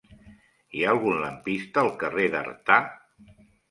Hi ha algun lampista al carrer d'Artà?